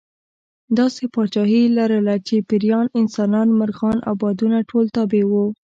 داسې پاچاهي یې لرله چې پېریان، انسانان، مرغان او بادونه ټول تابع وو.